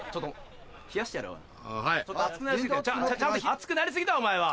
熱くなり過ぎだお前は。